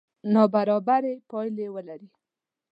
نابرابرې پایلې ولري.